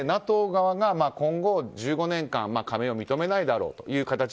ＮＡＴＯ側が今後１５年間加盟を認めないだろうと。